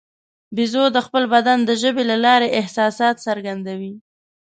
بیزو د خپل بدن د ژبې له لارې احساسات څرګندوي.